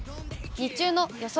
日中の予想